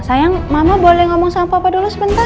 sayang mama boleh ngomong sama papa dulu sebentar